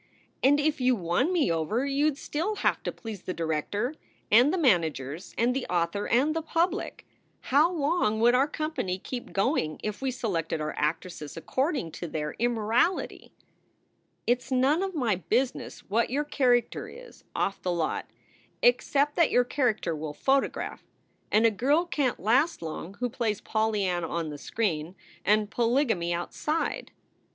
And if you won me over you d still have to please the director and the managers and the author and the public. How long would our company keep going if we selected our actresses according to their immorality? "It s none of my business what your character is off the SOULS FOR SALE 195 lot except that your character will photograph, and a girl can t last long who plays Polyanna on the screen and polyg amy outside.